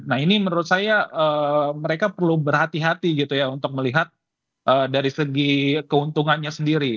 nah ini menurut saya mereka perlu berhati hati gitu ya untuk melihat dari segi keuntungannya sendiri